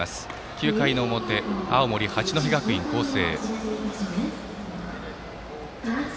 ９回表、青森・八戸学院光星。